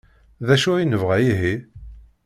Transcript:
D acu ay yebɣa ihi?